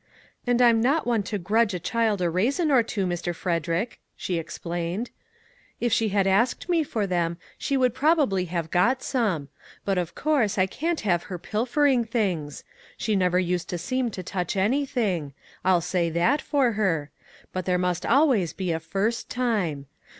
" And I'm not one to grudge a child a raisin or two, Mr. Frederick," she explained. " If she had asked me for them, she would probably 86 A CRUMB OF COMFORT ' have got some; but, of course, I can't have her pilfering things. She never used to seem to touch anything; I'll say that for her; but there must always be a first time.